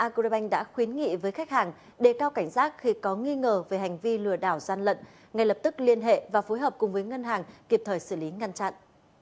agribank đã khuyến nghị với khách hàng đề cao cảnh giác khi có nghi ngờ về hành vi lừa đảo gian lận ngay lập tức liên hệ và phối hợp cùng với ngân hàng kịp thời xử lý ngăn chặn